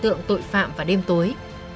tượng tội phạm và đêm tối